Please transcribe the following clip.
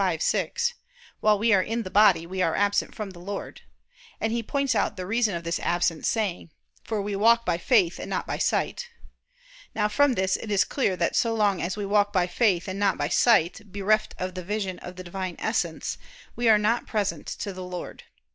5:6): "While we are in the body, we are absent from the Lord"; and he points out the reason of this absence, saying: "For we walk by faith and not by sight." Now from this it is clear that so long as we walk by faith and not by sight, bereft of the vision of the Divine Essence, we are not present to the Lord.